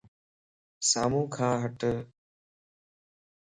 سامو کان ھٽ